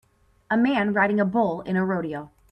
A man riding a bull in a rodeo.